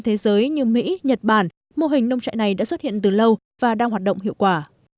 thế giới như mỹ nhật bản mô hình nông trại này đã xuất hiện từ lâu và đang hoạt động hiệu quả